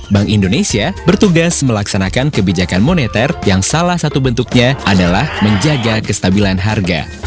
bank indonesia bertugas melaksanakan kebijakan moneter yang salah satu bentuknya adalah menjaga kestabilan harga